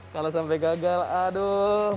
kalau sampai gagal aduh